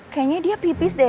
kayanya dia pipis deh